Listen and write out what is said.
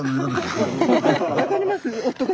分かります。